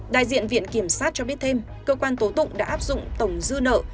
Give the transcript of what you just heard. đại diện viện kiểm sát cho biết thêm cơ quan tố tụng đã áp dụng tổng dư nợ